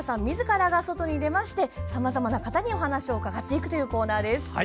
みずからが外に出ましてさまざまな方にお話を伺っていくというコーナーです。